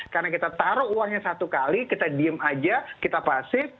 karena kita taruh uangnya satu kali kita diem aja kita pasif